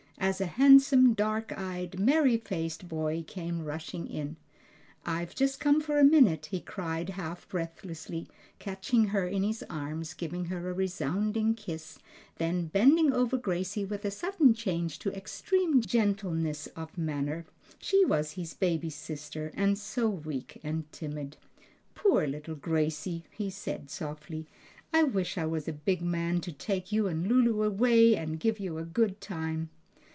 as a handsome, dark eyed, merry faced boy came rushing in. "I've just come for a minute!" he cried half breathlessly, catching her in his arms, giving her a resounding kiss, then bending over Gracie with a sudden change to extreme gentleness of manner; she was his baby sister and so weak and timid. "Poor little Gracie!" he said softly. "I wish I was a big man to take you and Lulu away and give you a good time!"